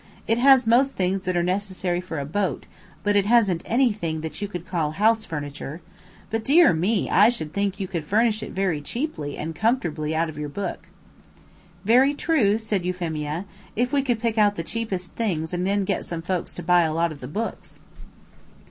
It has most things that are necessary for a boat, but it hasn't anything that you could call house furniture; but, dear me, I should think you could furnish it very cheaply and comfortably out of your book." "Very true," said Euphemia, "if we could pick out the cheapest things and then get some folks to buy a lot of the books."